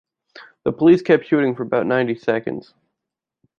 The police kept shooting for about ninety seconds.